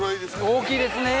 ◆大きいですねぇ！